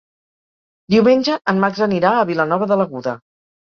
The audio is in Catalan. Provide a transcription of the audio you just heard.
Diumenge en Max anirà a Vilanova de l'Aguda.